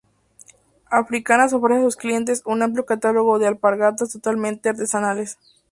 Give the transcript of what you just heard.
Africanas ofrece a sus clientes un amplio catálogo de alpargatas totalmente artesanales.